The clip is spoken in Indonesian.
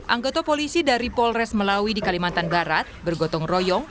anggota polisi dari polres melawi di kalimantan barat bergotong royong